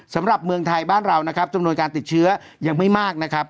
สำหรับเมืองไทยบ้านเรานะครับจำนวนการติดเชื้อยังไม่มากนะครับ